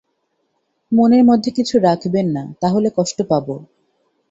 মনের মধ্যে কিছু রাখবেন না, তাহলে কষ্ট পাব।